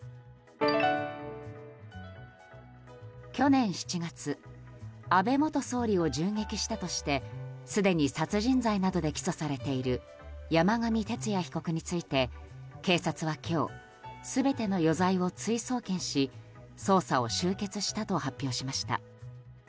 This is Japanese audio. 去年７月安倍元総理を銃撃したとしてすでに殺人罪などで起訴されている山上徹也被告について警察は今日全ての余罪を追送検し捜査を終結したと発表しました。